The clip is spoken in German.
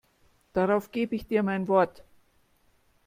Darauf gebe ich dir mein Wort.